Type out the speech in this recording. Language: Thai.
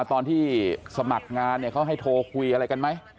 ตอนที่สมัครงานเนี่ยเขาให้โทรคุยอะไรกันไหม